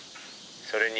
「それに」